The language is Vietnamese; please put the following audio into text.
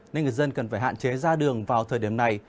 nên người dân cần phải hạn chế ra đường vào thời điểm này